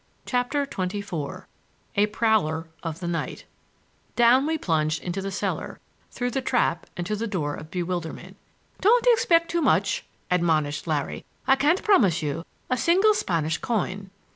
CHAPTER XXIV A PROWLER OF THE NIGHT Down we plunged into the cellar, through the trap and to the Door of Bewilderment. "Don't expect too much," admonished Larry; "I can't promise you a single Spanish coin."